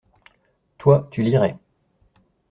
Toi, tu lirais.